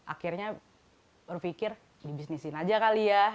akhirnya berpikir dibisnisin aja kali ya